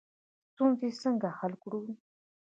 ستونزې څنګه حل کړو؟